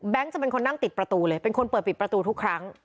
จะเป็นคนนั่งติดประตูเลยเป็นคนเปิดปิดประตูทุกครั้ง